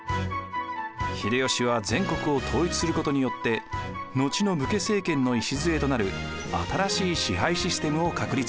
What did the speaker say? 秀吉は全国を統一することによって後の武家政権の礎となる新しい支配システムを確立します。